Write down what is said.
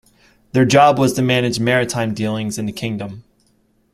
Their job was to manage maritime dealings in the kingdom.